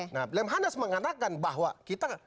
nah lemhanas mengatakan bahwa kita